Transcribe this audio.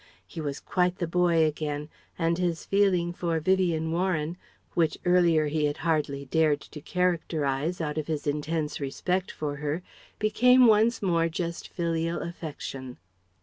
He was quite the boy again and his feeling for Vivien Warren, which earlier he had hardly dared to characterize, out of his intense respect for her, became once more just filial affection.